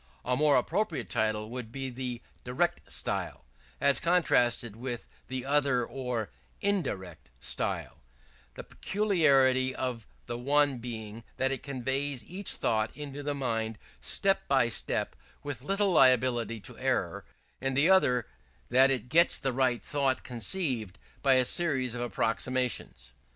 A more appropriate title would be the direct style, as contrasted with the other, or indirect style: the peculiarity of the one being, that it conveys each thought into the mind step by step with little liability to error; and of the other, that it gets the right thought conceived by a series of approximations.